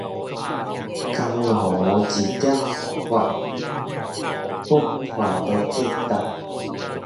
江湖一點訣，講破無價值